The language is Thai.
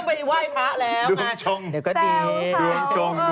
อ่าท่ะเขาต้องไปไว้พระหัวแล้ว